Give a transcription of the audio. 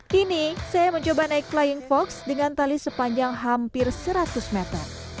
kini saya mencoba naik flying fox dengan tali sepanjang hampir seratus meter